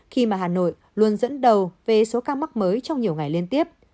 khi mà hà nội luôn dẫn đầu về số ca mắc mới trong nhiều ngày liên tiếp